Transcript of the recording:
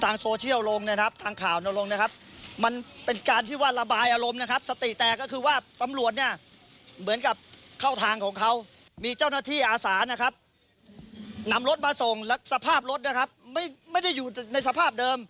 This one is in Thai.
นำรถมาส่งสภาพรถไม่ได้อยู่ในสภาพเดิม